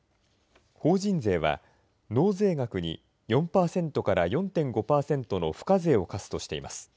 法人税は納税額に４％から４．５％の付加税を課すとしています。